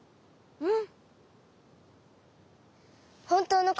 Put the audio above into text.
うん。